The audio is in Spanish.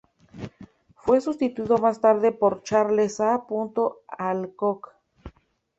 Fue sustituido más tarde por Charles A. Alcock.